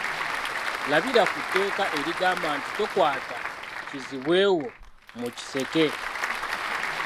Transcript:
Labira ku ‘tteeka’ erigamba nti tokwata kizibwe wo mu kiseke.